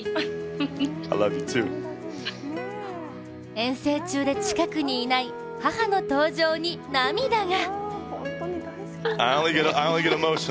遠征中で近くにいない母の登場に涙が。